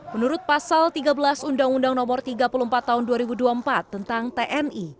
menurut pasal tiga belas undang undang no tiga puluh empat tahun dua ribu dua puluh empat tentang tni